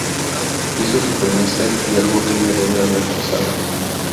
Hizo su primer set y algo horrible debe haber pasado.